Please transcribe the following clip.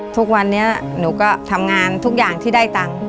ทุกวันนี้หนูก็ทำงานทุกอย่างที่ได้ตังค์